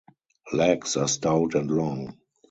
Legs are stout and long.